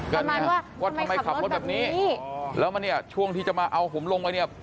ก็เนี่ยว่าทำไมขับรถแบบนี้แล้วมันเนี่ยช่วงที่จะมาเอาผมลงไปเนี่ย